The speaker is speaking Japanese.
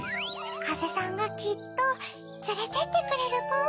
かぜさんがきっとつれてってくれるポ。